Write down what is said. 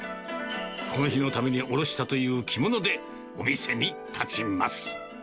この日のためにおろしたという着物で、お店に立ちます。